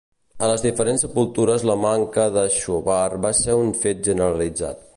A les diferents sepultures la manca d'aixovar va ser un fet generalitzat.